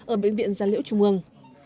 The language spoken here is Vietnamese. ở bệnh viện gia liễu trung ương